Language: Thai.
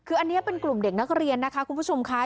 คืออันนี้เป็นกลุ่มเด็กนักเรียนนะคะคุณผู้ชมค่ะ